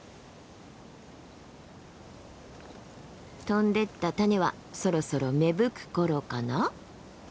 飛んでいったタネはそろそろ芽吹く頃かな？